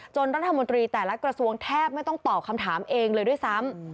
รัฐมนตรีแต่ละกระทรวงแทบไม่ต้องตอบคำถามเองเลยด้วยซ้ำ